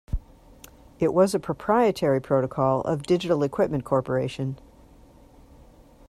It was a proprietary protocol of Digital Equipment Corporation.